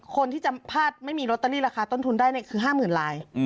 คนที่จะพลาดไม่มีลอตเตอรี่ราคาต้นทุนได้คือ๕๐๐๐ลาย